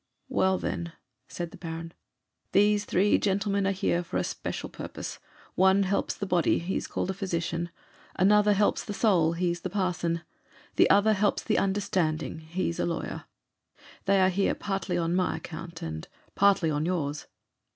'Well, then,' said the Baron, 'these three gentlemen are here for a special purpose: one helps the body—he's called a physician; another helps the soul—he's a parson; the other helps the understanding—he's a lawyer. They are here partly on my account, and partly on yours.